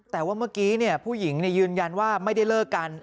แต่ว่าเมื่อกี้ผู้หญิงยืนยันว่าไม่ได้เลิกกัน